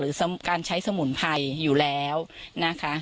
การใช้สมุนไพรอยู่แล้วนะคะ